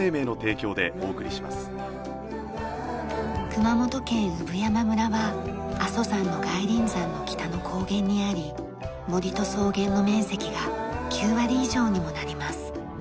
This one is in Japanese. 熊本県産山村は阿蘇山の外輪山の北の高原にあり森と草原の面積が９割以上にもなります。